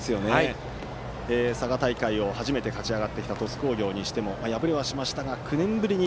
佐賀大会を初めて勝ち上がって来た鳥栖工業にしても敗れはしましたが、９年ぶりに。